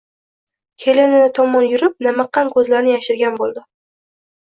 Kelini tomon yurib namiqqan ko‘zlarini yashirgan bo‘ldi.